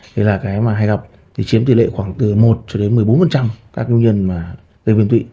đây là cái mà hay gặp thì chiếm tỷ lệ khoảng từ một một mươi bốn các nguyên nhân biến tụy